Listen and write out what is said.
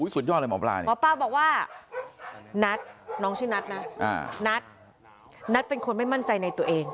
สุดยอดเลยหมอปลายนะหมอปลาบอกว่านัทน้องชื่อนัทนะนัทนัทเป็นคนไม่มั่นใจในตัวเอง